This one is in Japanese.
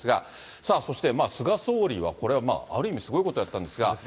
さあ、そして、菅総理はこれはまあ、ある意味すごいことをやったんですが。